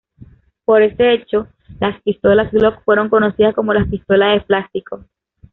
Por este hecho, las pistolas Glock fueron conocidas como las "pistolas de plástico".